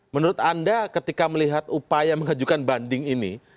menurut anda ketika melihat upaya mengajukan banding ini